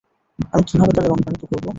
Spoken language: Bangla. আমি কীভাবে তাদের অনুপ্রাণিত করব?